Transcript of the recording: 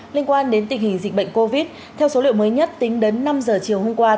liên quan đến tình hình dịch bệnh covid theo số liệu mới nhất tính đến năm giờ chiều hôm qua